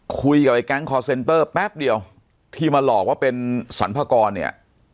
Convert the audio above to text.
คุยกับไอ้แก๊งคอร์เซ็นเตอร์แป๊บเดียวที่มาหลอกว่าเป็นสรรพากรเนี่ย